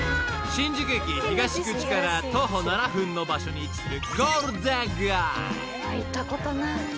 ［新宿駅東口から徒歩７分の場所に位置する］